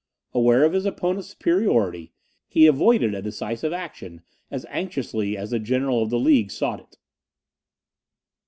Aware of his opponent's superiority, he avoided a decisive action as anxiously as the general of the League sought it.